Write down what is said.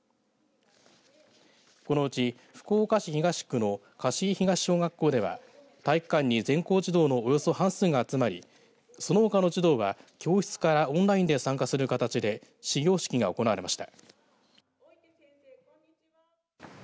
このうち福岡市東区の香椎東小学校では体育館に全校児童のおよそ半数が集まりそのほかの児童は教室からオンラインで参加する形で始業式が行われました。